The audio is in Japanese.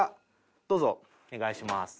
どうぞお願いします。